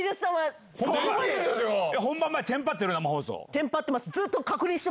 テンパってます。